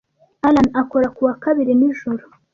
Allan akora ku wa kabiri nijoro